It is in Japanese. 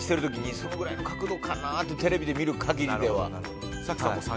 そのぐらいの角度かなとテレビで見る限りでは。